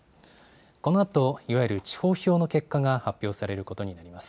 このあと、いわゆる地方票の結果が発表されることになります。